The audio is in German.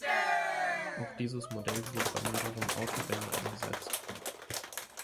Auch dieses Modell wurde bei mehreren Autorennen eingesetzt.